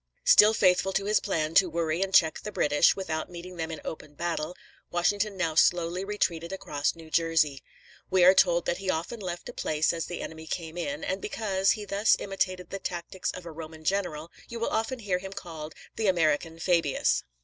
Still faithful to his plan to worry and check the British, without meeting them in open battle, Washington now slowly retreated across New Jersey. We are told that he often left a place as the enemy came in; and because he thus imitated the tactics of a Roman general, you will often hear him called the "American Fā´bi us."